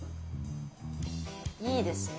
いいですね。